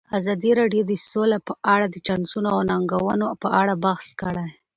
ازادي راډیو د سوله په اړه د چانسونو او ننګونو په اړه بحث کړی.